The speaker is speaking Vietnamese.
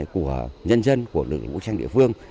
của nhân dân của lực lượng vũ trang địa phương